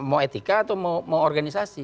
mau etika atau mau organisasi